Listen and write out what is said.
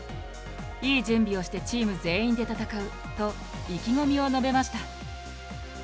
いい準備をしてチーム全員で戦うと意気込みを述べました。